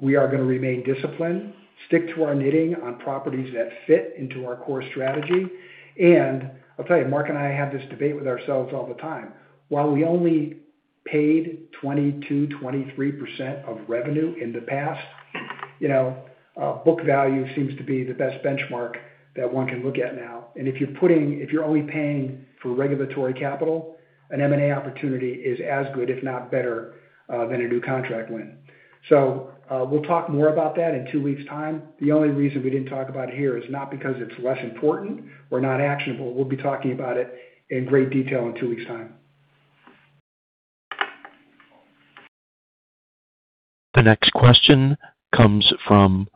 We are going to remain disciplined, stick to our knitting on properties that fit into our core strategy. I'll tell you, Mark and I have this debate with ourselves all the time. While we only paid 22%, 23% of revenue in the past, book value seems to be the best benchmark that one can look at now. If you're only paying for regulatory capital, an M&A opportunity is as good, if not better, than a new contract win. We'll talk more about that in two weeks' time. The only reason we didn't talk about it here is not because it's less important or not actionable. We'll be talking about it in great detail in two weeks' time. The next question comes from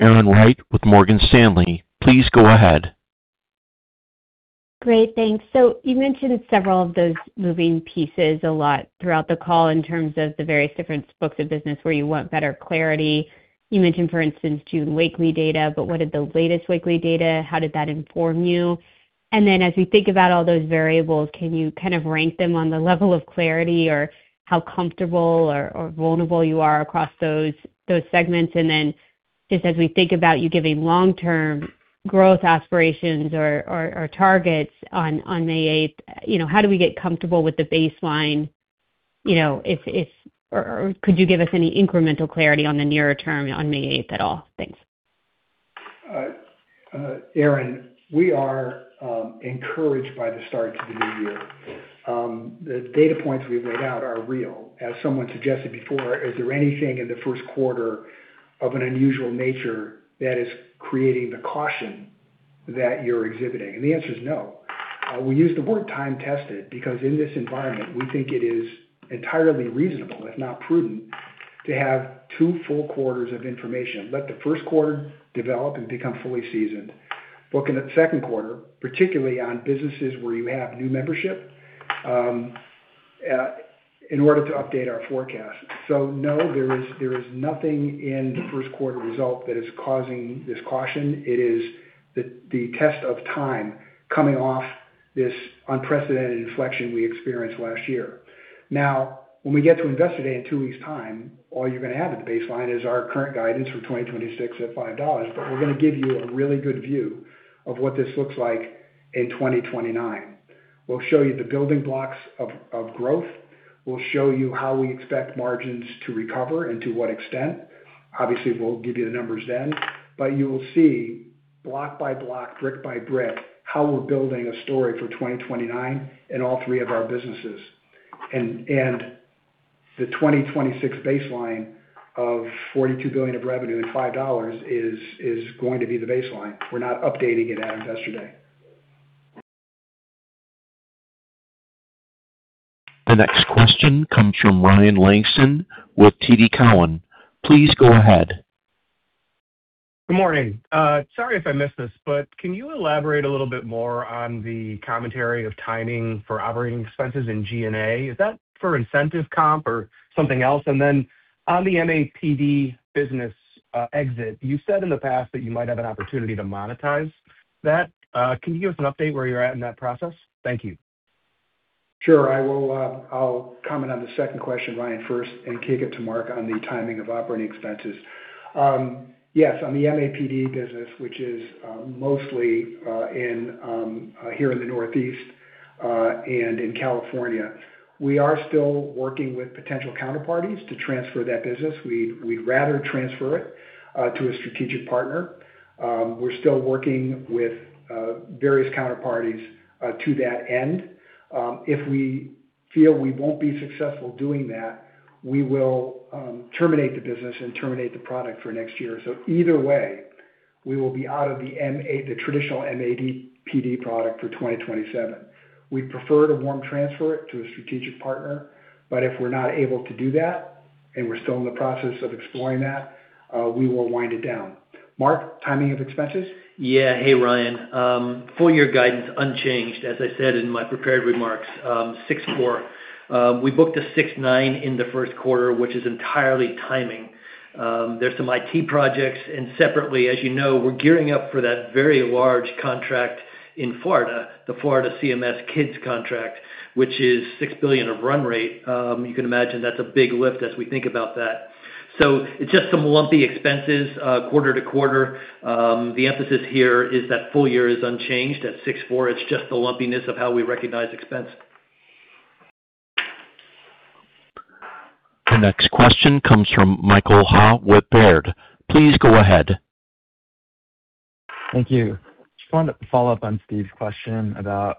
Erin Wright with Morgan Stanley. Please go ahead. Great. Thanks. You mentioned several of those moving pieces a lot throughout the call in terms of the various different books of business where you want better clarity. You mentioned, for instance, June weekly data, but what did the latest weekly data, how did that inform you? As we think about all those variables, can you kind of rank them on the level of clarity or how comfortable or vulnerable you are across those segments? Just as we think about you giving long-term growth aspirations or targets on May 8th, how do we get comfortable with the baseline, or could you give us any incremental clarity on the nearer term on May 8th at all? Thanks. Erin, we are encouraged by the start to the new year. The data points we've laid out are real. As someone suggested before, is there anything in the first quarter of an unusual nature that is creating the caution that you're exhibiting? The answer is no. We use the word time-tested because in this environment, we think it is entirely reasonable, if not prudent, to have two full quarters of information. Let the first quarter develop and become fully seasoned. Book in the second quarter, particularly on businesses where you have new membership, in order to update our forecast. No, there is nothing in the first quarter result that is causing this caution. It is the test of time coming off this unprecedented inflection we experienced last year. Now, when we get to Investor Day in two weeks' time, all you're going to have at the baseline is our current guidance for 2026 at $5. But we're going to give you a really good view of what this looks like in 2029. We'll show you the building blocks of growth. We'll show you how we expect margins to recover and to what extent. Obviously, we'll give you the numbers then, but you will see block by block, brick by brick, how we're building a story for 2029 in all three of our businesses. The 2026 baseline of $42 billion of revenue and $5 is going to be the baseline. We're not updating it at Investor Day. The next question comes from Ryan Langston with TD Cowen. Please go ahead. Good morning. Sorry if I missed this, but can you elaborate a little bit more on the commentary of timing for operating expenses in G&A? Is that for incentive comp or something else? On the MAPD business exit, you said in the past that you might have an opportunity to monetize that. Can you give us an update where you're at in that process? Thank you. Sure. I'll comment on the second question, Ryan, first, and kick it to Mark on the timing of operating expenses. Yes, on the MAPD business, which is mostly here in the Northeast and in California, we are still working with potential counterparties to transfer that business. We'd rather transfer it to a strategic partner. We're still working with various counterparties to that end. If we feel we won't be successful doing that, we will terminate the business and terminate the product for next year. Either way, we will be out of the traditional MAPD product for 2027. We'd prefer to warm transfer it to a strategic partner, but if we're not able to do that, and we're still in the process of exploring that, we will wind it down. Mark, timing of expenses? Yeah. Hey, Ryan. Full year guidance unchanged. As I said in my prepared remarks, 6.4. We booked a 6.9 in the first quarter, which is entirely timing. There's some IT projects, and separately, as you know, we're gearing up for that very large contract in Florida, the Florida CMS Kids contract, which is $6 billion of run rate. You can imagine that's a big lift as we think about that. It's just some lumpy expenses quarter to quarter. The emphasis here is that full year is unchanged at 6.4. It's just the lumpiness of how we recognize expense. The next question comes from Michael Ha with Baird. Please go ahead. Thank you. Just wanted to follow up on Steve's question about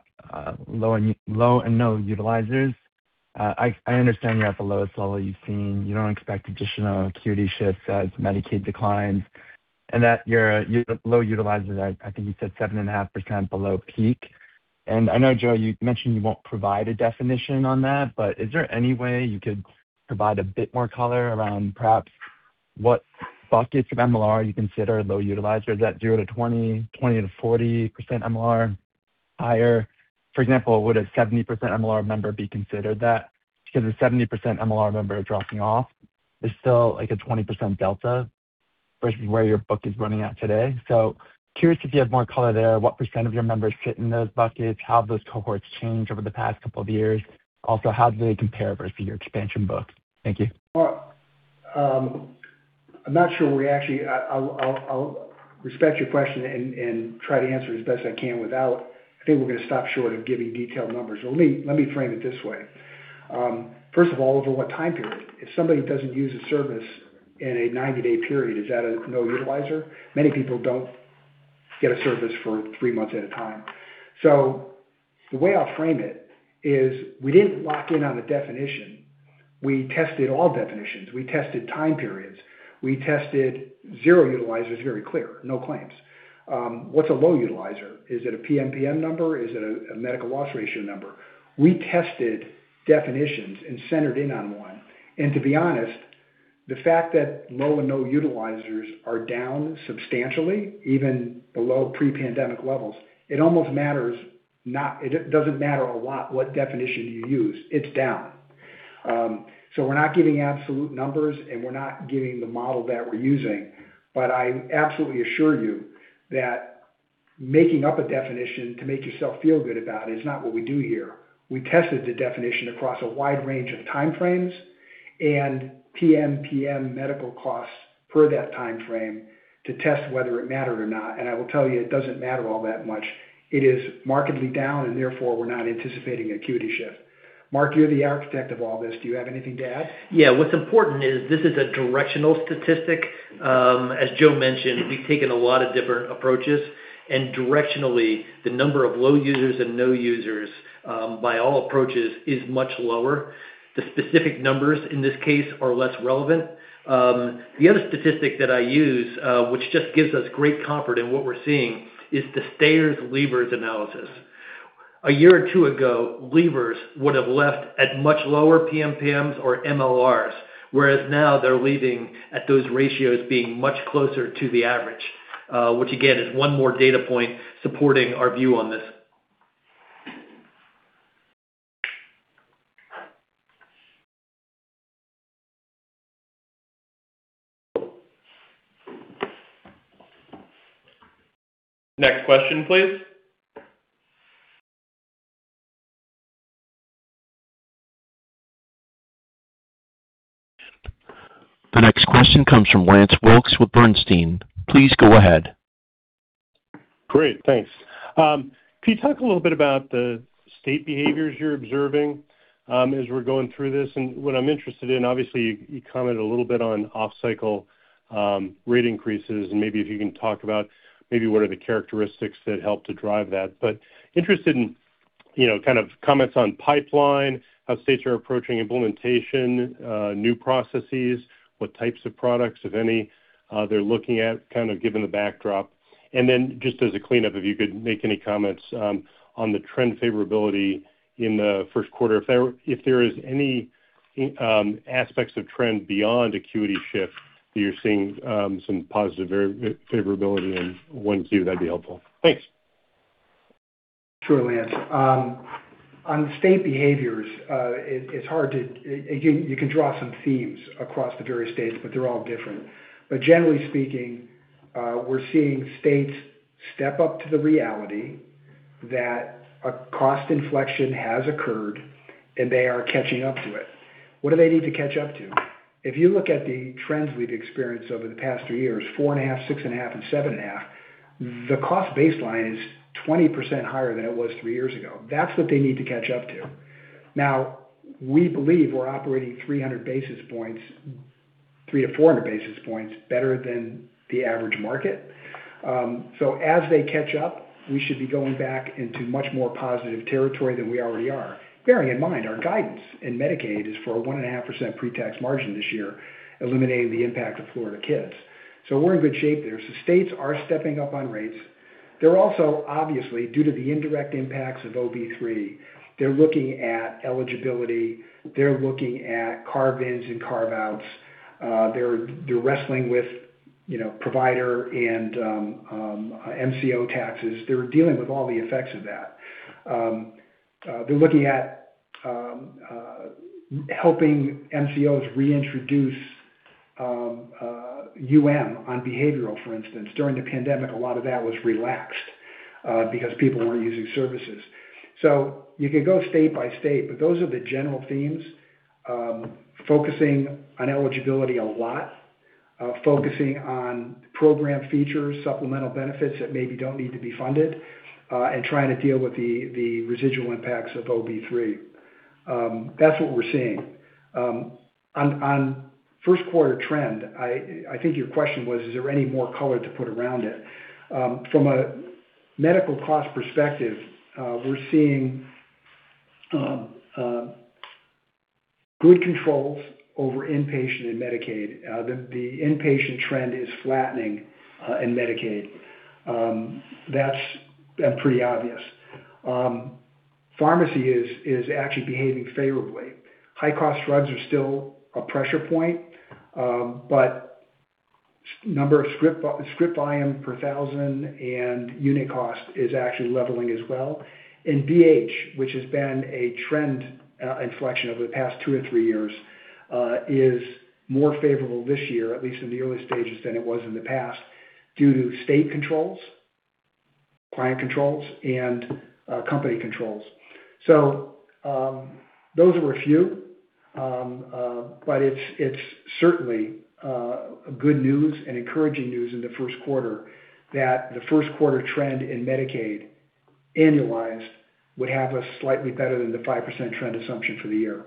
low and no utilizers. I understand you're at the lowest level you've seen. You don't expect additional acuity shifts as Medicaid declines and that your low utilizers are, I think you said 7.5% below peak. I know, Joe, you mentioned you won't provide a definition on that, but is there any way you could provide a bit more color around perhaps what buckets of MLR you consider low utilizer? Is that 0.0%–20%, 20%–40% MLR, higher? For example, would a 70% MLR member be considered that? Because a 70% MLR member dropping off is still like a 20% delta versus where your book is running at today. Curious if you have more color there. What percent of your members fit in those buckets? How have those cohorts changed over the past couple of years? Also, how do they compare versus your expansion book? Thank you. I'm not sure, we're actually-- I'll respect your question and try to answer as best I can. I think we're going to stop short of giving detailed numbers. Let me frame it this way. First of all, over what time period? If somebody doesn't use a service in a 90-day period, is that a no utilizer? Many people don't get a service for three months at a time. The way I'll frame it is we didn't lock in on the definition. We tested all definitions. We tested time periods. We tested zero utilizers, very clear, no claims. What's a low utilizer? Is it a PMPM number? Is it a Medical Loss Ratio number? We tested definitions and centered in on one. To be honest, the fact that low and no utilizers are down substantially, even below pre-pandemic levels, it doesn't matter a lot what definition you use, it's down. So we're not giving absolute numbers, and we're not giving the model that we're using, but I absolutely assure you that making up a definition to make yourself feel good about is not what we do here. We tested the definition across a wide range of time frames and PMPM medical costs per that time frame to test whether it mattered or not. I will tell you, it doesn't matter all that much. It is markedly down, and therefore, we're not anticipating acuity shift. Mark, you're the architect of all this. Do you have anything to add? Yeah. What's important is this is a directional statistic. As Joe mentioned, we've taken a lot of different approaches. Directionally, the number of low users and no users, by all approaches is much lower. The specific numbers in this case are less relevant. The other statistic that I use, which just gives us great comfort in what we're seeing is the stayers, leavers analysis. A year or two ago, leavers would have left at much lower PMPMs or MLRs, whereas now they're leaving at those ratios being much closer to the average, which again, is one more data point supporting our view on this. Next question, please. The next question comes from Lance Wilkes with Bernstein. Please go ahead. Great. Thanks. Can you talk a little bit about the state behaviors you're observing as we're going through this? What I'm interested in, obviously, you commented a little bit on off-cycle rate increases, and maybe if you can talk about maybe what are the characteristics that help to drive that. Interested in kind of comments on pipeline, how states are approaching implementation, new processes, what types of products, if any, they're looking at kind of given the backdrop. Then just as a cleanup, if you could make any comments on the trend favorability in the first quarter. If there is any aspects of trend beyond acuity shift that you're seeing some positive favorability in Q1, that'd be helpful. Thanks. Sure, Lance. On state behaviors, you can draw some themes across the various states, but they're all different. Generally speaking, we're seeing states step up to the reality that a cost inflection has occurred, and they are catching up to it. What do they need to catch up to? If you look at the trends we've experienced over the past three years, 4.5, 6.5, and 7.5, the cost baseline is 20% higher than it was three years ago. That's what they need to catch up to. Now, we believe we're operating 300 basis points, three to 400 basis points better than the average market. As they catch up, we should be going back into much more positive territory than we already are. Bearing in mind, our guidance in Medicaid is for a 1.5% pre-tax margin this year, eliminating the impact of Florida Kid. We're in good shape there. States are stepping up on rates. They're also, obviously, due to the indirect impacts of OB3, they're looking at eligibility. They're looking at carve-ins and carve-outs. They're wrestling with provider and MCO taxes. They're dealing with all the effects of that. They're looking at helping MCOs reintroduce UM on behavioral, for instance. During the pandemic, a lot of that was relaxed because people weren't using services. You could go state by state, but those are the general themes, focusing on eligibility a lot, focusing on program features, supplemental benefits that maybe don't need to be funded, and trying to deal with the residual impacts of OB3. That's what we're seeing. On first quarter trend, I think your question was, is there any more color to put around it? From a medical cost perspective, we're seeing good controls over inpatient and Medicaid. The inpatient trend is flattening in Medicaid. That's been pretty obvious. Pharmacy is actually behaving favorably. High cost drugs are still a pressure point, but number of script volume per thousand and unit cost is actually leveling as well. BH, which has been a trend inflection over the past two or three years is more favorable this year, at least in the early stages, than it was in the past due to state controls, client controls, and company controls. Those were a few. It's certainly good news and encouraging news in the first quarter that the first quarter trend in Medicaid, annualized, would have a slightly better than the 5% trend assumption for the year.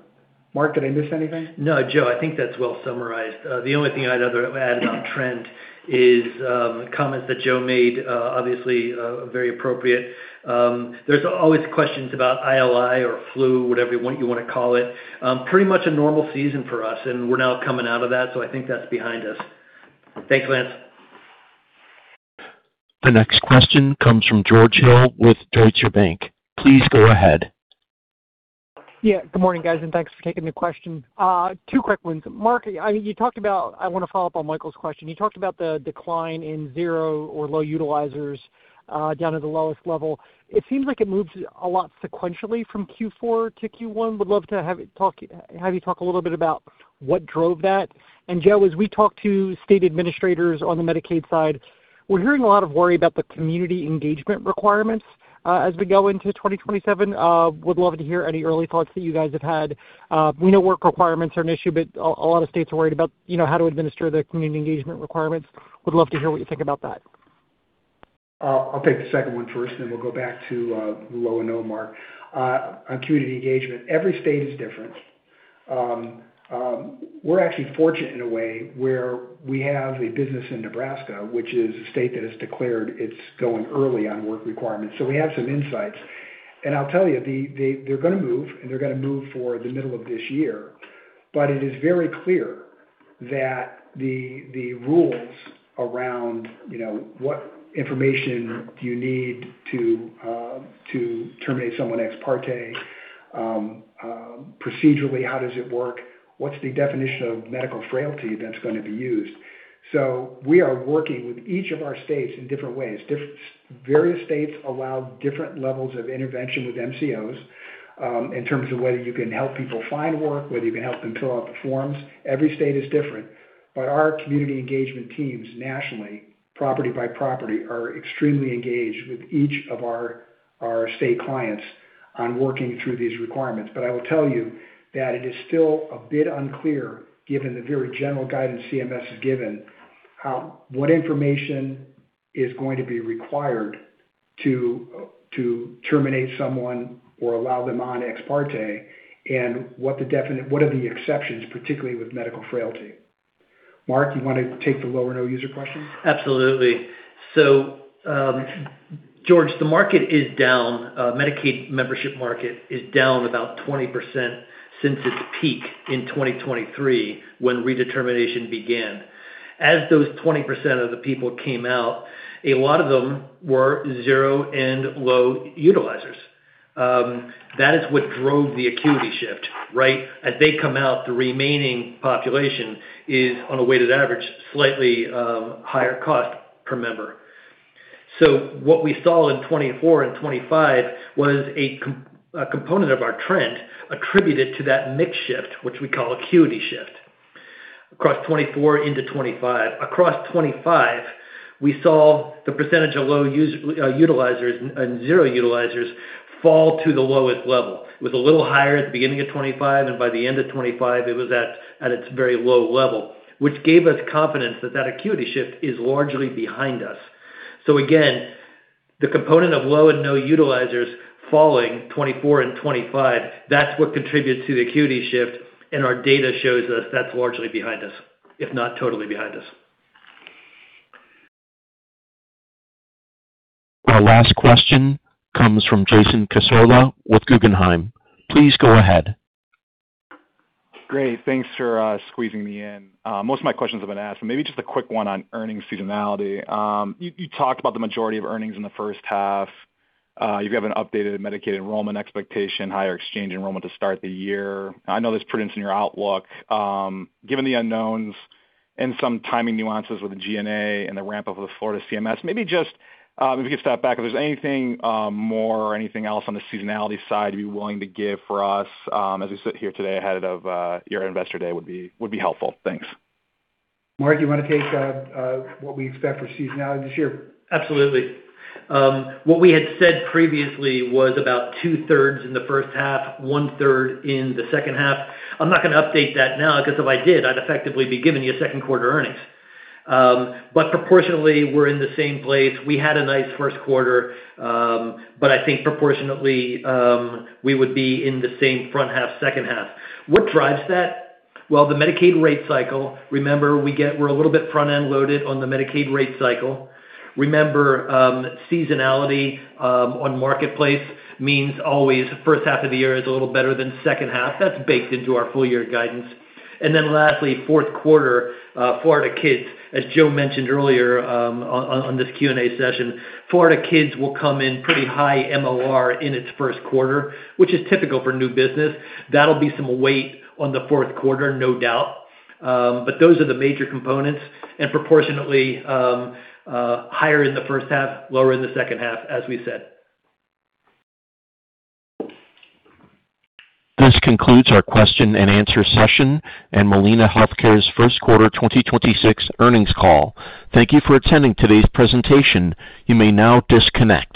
Mark, did I miss anything? No, Joe, I think that's well summarized. The only thing I'd add about trends, his comments that Joe made, obviously, very appropriate. There's always questions about ILI or flu, whatever you want to call it. Pretty much a normal season for us, and we're now coming out of that. I think that's behind us. Thanks, Lance. The next question comes from George Hill with Deutsche Bank. Please go ahead. Yeah. Good morning, guys, and thanks for taking the question. Two quick ones. Mark, I want to follow up on Michael's question. You talked about the decline in zero or low utilizers down to the lowest level. It seems like it moved a lot sequentially from Q4 to Q1. Would love to have you talk a little bit about what drove that. Joe, as we talk to state administrators on the Medicaid side, we're hearing a lot of worry about the community engagement requirements as we go into 2027. Would love to hear any early thoughts that you guys have had. We know work requirements are an issue, but a lot of states are worried about how to administer the community engagement requirements. Would love to hear what you think about that. I'll take the second one first, and then we'll go back to low and no, Mark. On community engagement, every state is different. We're actually fortunate in a way where we have a business in Nebraska, which is a state that has declared it's going early on work requirements. We have some insights. I'll tell you, they're going to move, and they're going to move for the middle of this year. It is very clear that the rules around what information do you need to terminate someone ex parte, procedurally, how does it work? What's the definition of medical frailty that's going to be used? We are working with each of our states in different ways. Various states allow different levels of intervention with MCOs in terms of whether you can help people find work, whether you can help them fill out the forms. Every state is different. Our community engagement teams nationally, property by property, are extremely engaged with each of our state clients on working through these requirements. I will tell you that it is still a bit unclear, given the very general guidance CMS has given, what information is going to be required to terminate someone or allow them on ex parte, and what are the exceptions, particularly with medical frailty. Mark, you want to take the low or no use question? Absolutely. George, the market is down. Medicaid membership market is down about 20% since its peak in 2023 when redetermination began. As those 20% of the people came out, a lot of them were zero and low utilizers. That is what drove the acuity shift, right? As they come out, the remaining population is on a weighted average, slightly higher cost per member. What we saw in 2024 and 2025 was a component of our trend attributed to that mix shift, which we call acuity shift, across 2024 into 2025. Across 2025, we saw the percentage of low utilizers and zero utilizers fall to the lowest level. It was a little higher at the beginning of 2025, and by the end of 2025, it was at its very low level, which gave us confidence that that acuity shift is largely behind us. Again, the component of low and no utilizers falling 2024 and 2025, that's what contributes to the acuity shift, and our data shows us that's largely behind us, if not totally behind us. Our last question comes from Jason Cassorla with Guggenheim. Please go ahead. Great. Thanks for squeezing me in. Most of my questions have been asked, so maybe just a quick one on earnings seasonality. You talked about the majority of earnings in the first half. You have an updated Medicaid enrollment expectation, higher exchange enrollment to start the year. I know there's prudence in your outlook. Given the unknowns and some timing nuances with the G&A and the ramp up of the Florida CMS, maybe just if you could step back, if there's anything more or anything else on the seasonality side you'd be willing to give for us as we sit here today ahead of your Investor Day would be helpful. Thanks. Mark, you want to take what we expect for seasonality this year? Absolutely. What we had said previously was about 2/3 in the first half, 1/3 in the second half. I'm not going to update that now, because if I did, I'd effectively be giving you second quarter earnings. Proportionately, we're in the same place. We had a nice first quarter. I think proportionately, we would be in the same front half, second half. What drives that? Well, the Medicaid rate cycle. Remember, we're a little bit front-end loaded on the Medicaid rate cycle. Remember, seasonality on Marketplace means always first half of the year is a little better than second half. That's baked into our full year guidance. Then lastly, fourth quarter, Florida Kid, as Joe mentioned earlier on this Q&A session, Florida Kid will come in pretty high MLR in its first quarter, which is typical for new business. That'll be some weight on the fourth quarter, no doubt. Those are the major components, and proportionately higher in the first half, lower in the second half, as we said. This concludes our question and answer session and Molina Healthcare's first quarter 2026 earnings call. Thank you for attending today's presentation. You may now disconnect.